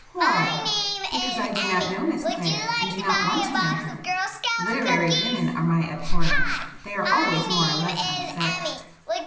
"Why?" "Because I do not know Miss Clare and do not want to know her. Literary women are my abhorrence,—they are always more or less unsexed."